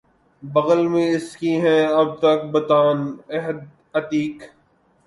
بغل میں اس کی ہیں اب تک بتان عہد عتیق